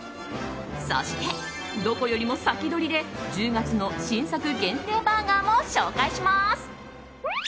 そして、どこよりも先取りで１０月の新作限定バーガーも紹介します。